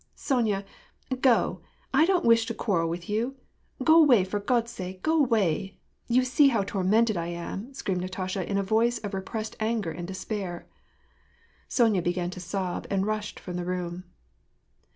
" Sonya, go, I don't wish to quarrel with you ! go away, for God's sake, go away ! you see how tormented I am," screamed Natasha, in a voice of re pressed anger and despair. Sonya began to sob, and rushed from the room.